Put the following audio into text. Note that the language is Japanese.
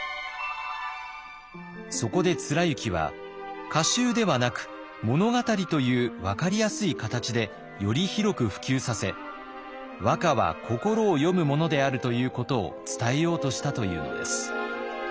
そこで貫之は歌集ではなく物語という分かりやすい形でより広く普及させ和歌は心を詠むものであるということを伝えようとしたというのです。